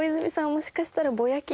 もしかしたら。